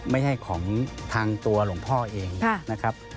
ไม่ใช่ของทางตัวหลวงพ่อเองนะครับ